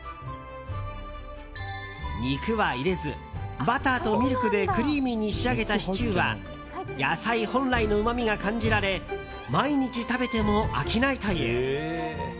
肉は入れず、バターとミルクでクリーミーに仕上げたシチューは野菜本来のうまみが感じられ毎日食べても飽きないという。